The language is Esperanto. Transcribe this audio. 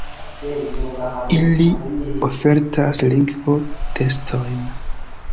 Ili ofertas lingvo-testojn.